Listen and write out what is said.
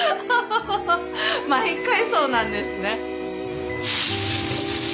毎回そうなんですね。